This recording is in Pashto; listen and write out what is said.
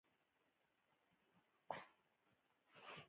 بزګان د افغانستان د اقلیم یوه مهمه ځانګړتیا ده.